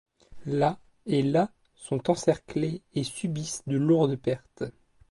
La et la sont encerclées et subissent de lourdes pertes.